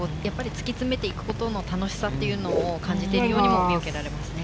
突き詰めていくことの楽しさを感じているようにも見受けられますね。